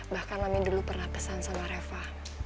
bahkan mama dulu pernah kesan sama reva